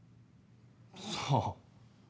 さあ。